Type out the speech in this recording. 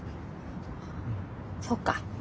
そっか。